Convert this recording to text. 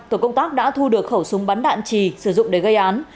tổ công tác đã thu được khẩu súng bắn đạn trì sử dụng để gây án